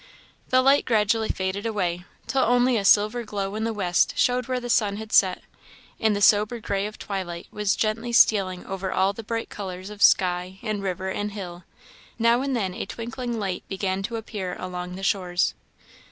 The light gradually faded away, till only a silver glow in the west showed where the sun had set, and the sober gray of twilight was gently stealing over all the bright colours of sky, and river, and hill; now and then a twinkling light began to appear along the shores.